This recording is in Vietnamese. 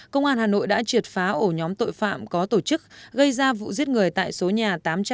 công an hà nội đã triệt phá ổ nhóm tội phạm có tổ chức gây ra vụ giết người tại số nhà tám trăm bảy mươi tám